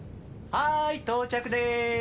はい到着です。